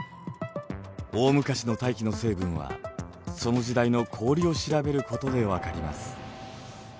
大昔の大気の成分はその時代の氷を調べることで分かります。